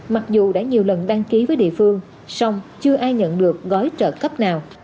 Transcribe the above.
mặc dù đã nhiều lần đăng ký với địa phương song chưa ai nhận được gói trợ cấp nào